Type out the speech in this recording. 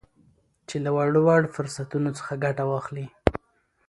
چې چې له وړ وړ فرصتونو څخه ګته واخلي